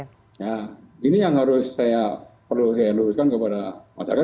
nah ini yang harus saya perlu luruskan kepada masyarakat